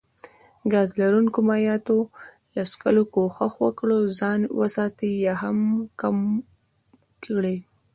ګاز لرونکو مايعاتو له څښلو کوښښ وکړي ځان وساتي يا يي هم کم کړي